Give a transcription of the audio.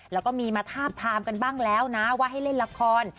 แล้วก็มีมาทาบทามกันบ้างแล้วนะว่าให้เล่นละคร